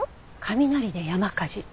雷で山火事。